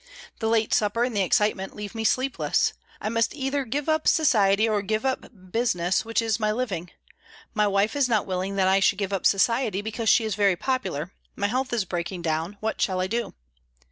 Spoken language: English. The late supper and the excitement leave me sleepless. I must either give up society or give up business, which is my living. My wife is not willing that I should give up society, because she is very popular. My health is breaking down. What shall I do?"